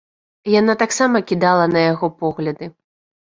Яна таксама кідала на яго погляды.